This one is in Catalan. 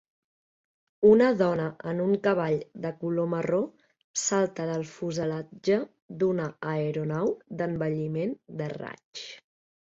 Una dona en un cavall de color marró salta del fuselatge d'una aeronau d'envelliment de raig.